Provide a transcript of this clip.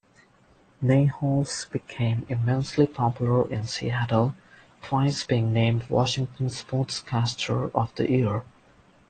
Niehaus became immensely popular in Seattle, twice being named Washington Sportscaster of the Year.